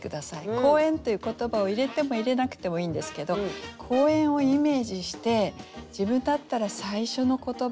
「公園」という言葉を入れても入れなくてもいいんですけど公園をイメージして自分だったら最初の言葉